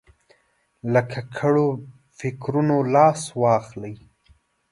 له ککړو فکرونو لاس واخلي.